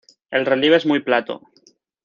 El relieve es muy plato.